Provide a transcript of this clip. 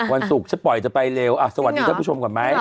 วันศุกร์ฉันปล่อยจะไปเร็วสวัสดีท่านผู้ชมก่อนไหม